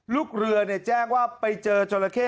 ลูกเรือแจ้งว่าไปเจอจราเข้